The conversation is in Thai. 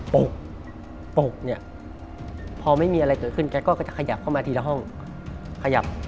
ปกปกเนี่ยพอไม่มีอะไรเกิดขึ้นแกก็จะขยับเข้ามาทีละห้องขยับ